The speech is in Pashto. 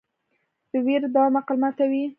د ویرې دوام عقل ماتوي.